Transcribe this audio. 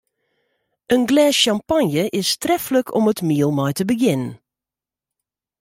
In glês sjampanje is treflik om it miel mei te begjinnen.